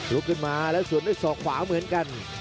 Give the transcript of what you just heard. ลุกขึ้นมาแล้วสวนด้วยศอกขวาเหมือนกัน